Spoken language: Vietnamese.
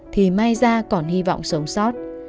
thì may ra còn hy vọng sống sót